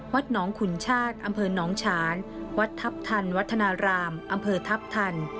วัดทัพทันวัดธนารามอำเภอทัพทัน